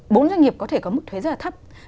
bốn doanh nghiệp có thể có mức thuế rất là thấp